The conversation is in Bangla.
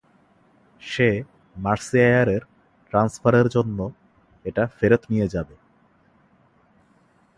সে মার্সিয়ারের ট্রান্সফারের জন্য এটা ফেরত নিয়ে যাবে.